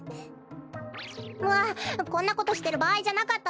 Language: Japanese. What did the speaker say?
わっこんなことしてるばあいじゃなかったわ！